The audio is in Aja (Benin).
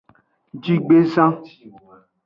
Jigbezan.